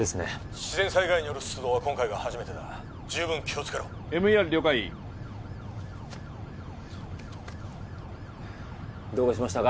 自然災害による出動は今回が初めてだ十分気をつけろＭＥＲ了解どうかしましたか？